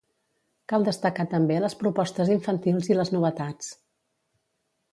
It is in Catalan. Cal destacar també les propostes infantils i les novetats